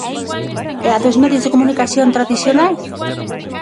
E a dos medios de comunicación tradicionais?